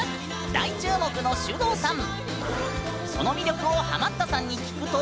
大注目のｓｙｕｄｏｕさん。